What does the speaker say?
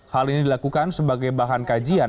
hal ini dilakukan sebagai bahan kajian